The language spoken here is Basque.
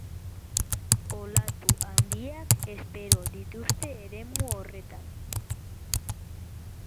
Olatu handiak espero dituzte eremu horretan.